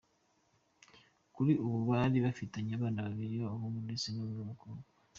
Kuri ubu bari bafitanye abana babiri b’abahungu ndetse n’umwe w’umukobwa.